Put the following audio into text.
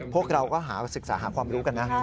พวกเราก็หาศึกษาหาความรู้กันนะ